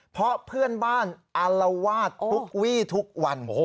เพราะเพื่อนบ้านอารวาสทุกวี่ทุกวัน